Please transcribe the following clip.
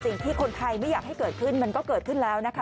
สิ่งที่คนไทยไม่อยากให้เกิดขึ้นมันก็เกิดขึ้นแล้วนะคะ